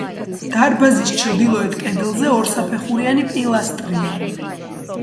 დარბაზის ჩრდილოეთ კედელზე ორსაფეხურიანი პილასტრია.